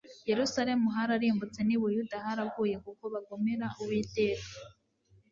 yerusalemu hararimbutse n'i buyuda haraguye kuko bagomera uwiteka